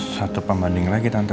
satu pembanding lagi tante